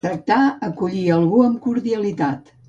Tractar, acollir, algú amb cordialitat.